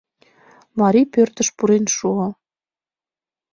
Мари пӧртыш пурен шуо